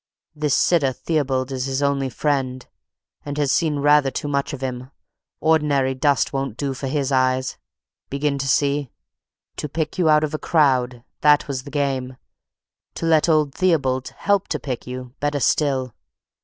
This sitter Theobald is his only friend, and has seen rather too much of him; ordinary dust won't do for his eyes. Begin to see? To pick you out of a crowd, that was the game; to let old Theobald help to pick you, better still!